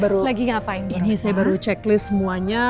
bu sara ini saya baru checklist semuanya